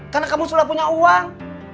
kamu sudah punya uang